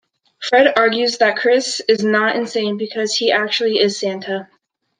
Fred argues that Kris is not insane because he actually is Santa.